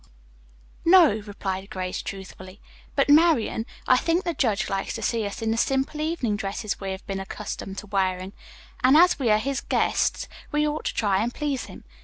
"No," replied Grace truthfully, "but Marian, I think the judge likes to see us in the simple evening dresses we have been accustomed to wearing, and as we are his guests we ought to try and please him.